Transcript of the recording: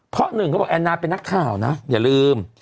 เพราะหนึ่งเขาบอกแอนนาเป็นนักข่าวนะอย่าลืม